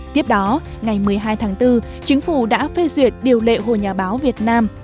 tiếp đó ngày một mươi hai tháng bốn chính phủ đã phê duyệt điều lệ hồ nhà báo việt nam